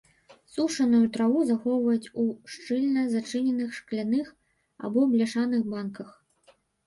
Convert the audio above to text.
Сушаную траву захоўваюць у шчыльна зачыненых шкляных або бляшаных банках.